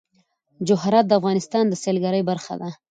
جواهرات د افغانستان د سیلګرۍ برخه ده.